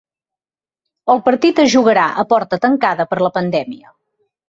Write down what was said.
El partit es jugarà a porta tancada per la pandèmia.